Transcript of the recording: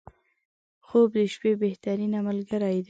• خوب د شپې بهترینه ملګری دی.